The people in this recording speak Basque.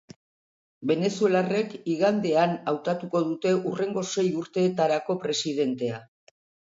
Venezuelarrek igandean hautatuko dute hurrengo sei urteetarako presidentea.